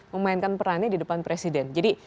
memainkan perannya di depan presiden jadi